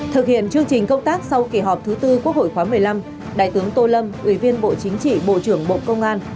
thực hiện chương trình công tác sau kỳ họp thứ tư quốc hội khóa một mươi năm đại tướng tô lâm ủy viên bộ chính trị bộ trưởng bộ công an